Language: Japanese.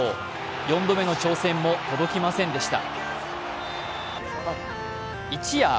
４度目の挑戦も届きませんでした。